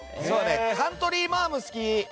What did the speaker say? カントリーマアム好き。